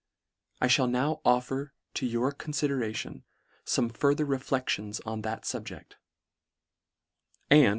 I (hall now offer to your confideration fome further reflections on that fubject ; and.